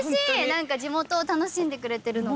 何か地元を楽しんでくれてるのが。